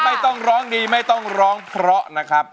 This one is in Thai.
ไม่ต้องร้องดีไม่ต้องร้องเพราะนะครับ